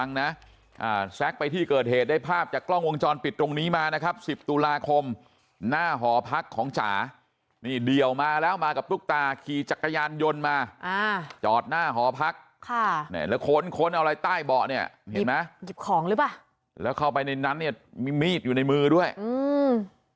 นะมากับตุ๊กตาขี่จักรยานยนต์มาอ่าจอดหน้าหอพักค่ะเนี่ยแล้วค้นค้นอะไรใต้เบาะเนี่ยเห็นไหมหยิบของหรือเปล่าแล้วเข้าไปในนั้นเนี่ยมีมีดอยู่ในมือด้วยอืม